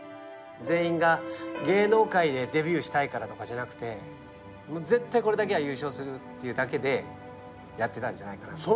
全員が芸能界でデビューしたいからとかじゃなくて絶対これだけは優勝するっていうだけでやってたんじゃないかな。